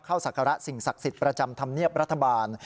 ศักระสิ่งศักดิ์สิทธิ์ประจำธรรมเนียบรัฐบาล